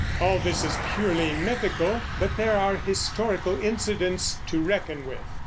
All this is purely mythical; but there are historical incidents to reckon with.